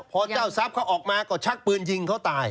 พอเจ้าทรัพย์เขาออกมาก็ชักปืนยิงเขาตาย